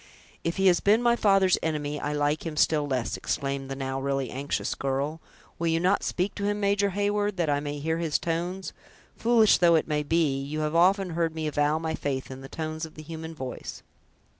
"If he has been my father's enemy, I like him still less!" exclaimed the now really anxious girl. "Will you not speak to him, Major Heyward, that I may hear his tones? Foolish though it may be, you have often heard me avow my faith in the tones of the human voice!"